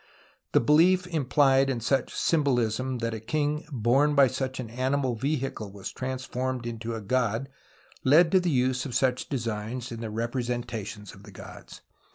The belief implied in sucli symbolism that a king borne by such an animal vehicle was transformed into a god led to the use of such designs in the repre sentations of Q ods.